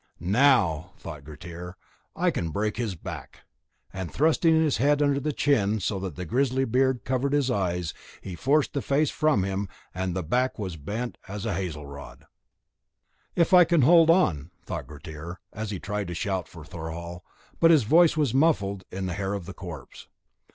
"Now," thought Grettir, "I can break his back," and thrusting his head under the chin, so that the grizzly beard covered his eyes, he forced the face from him, and the back was bent as a hazel rod. "If I can but hold on," thought Grettir, and he tried to shout for Thorhall, but his voice was muffled in the hair of the corpse.